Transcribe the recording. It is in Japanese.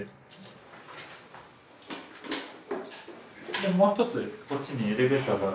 でもう一つこっちにエレベーターがあるんです。